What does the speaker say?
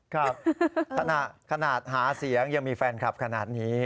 ครับขนาดหาเสียงยังมีแฟนคลับขนาดนี้